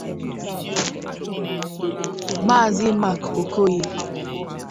Maazị Mark Okoye